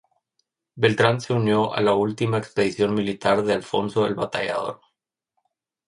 Beltrán se unió a la última expedición militar de Alfonso el Batallador.